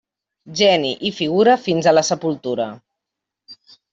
Geni i figura fins a la sepultura.